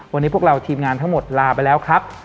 วันนี้พวกเราทีมงานทั้งหมดลาไปแล้วครับ